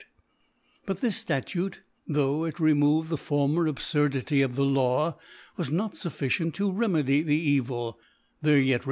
* But this Statute, though it removed the former Abfurdity of the Law, was not fuf Jicient to remedy the Evil ; there yet re ♦^^ Affist.